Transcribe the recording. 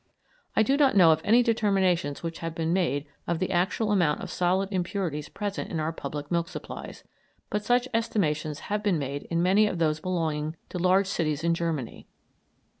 I do not know of any determinations which have been made of the actual amount of such solid impurities present in our public milk supplies, but such estimations have been made in many of those belonging to large cities in Germany.